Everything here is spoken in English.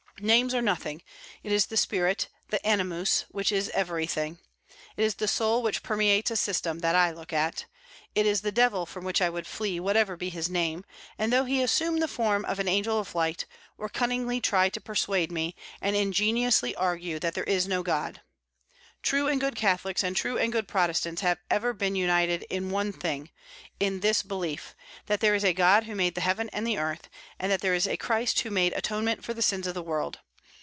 Names are nothing; it is the spirit, the animus, which is everything. It is the soul which permeates a system, that I look at. It is the Devil from which I would flee, whatever be his name, and though he assume the form of an angel of light, or cunningly try to persuade me, and ingeniously argue, that there is no God. True and good Catholics and true and good Protestants have ever been united in one thing, in this belief, that there is a God who made the heaven and the earth, and that there is a Christ who made atonement for the sins of the world.